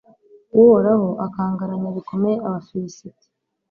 uhoraho akangaranya bikomeye abafilisiti